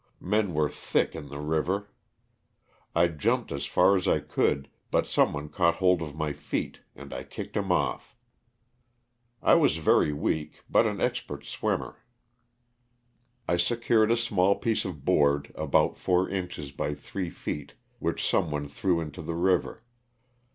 Men were thick in the river. I jumped as far as I could, but someone caught hold of my feet and I kicked Jbim off, I was yery weak, but an expert swimmer. I 96 LOSS OF THE SULTANA. secured a small piece of board about four inches by three feet which someone threw into the river.